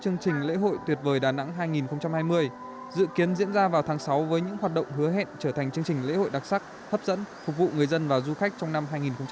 chương trình lễ hội tuyệt vời đà nẵng hai nghìn hai mươi dự kiến diễn ra vào tháng sáu với những hoạt động hứa hẹn trở thành chương trình lễ hội đặc sắc hấp dẫn phục vụ người dân và du khách trong năm hai nghìn hai mươi